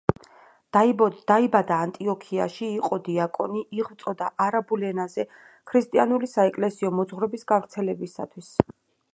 დაიბადა ანტიოქიაში, იყო დიაკონი, იღწვოდა არაბულ ენაზე ქრისტიანული საეკლესიო მოძღვრების გავრცელებისათვის.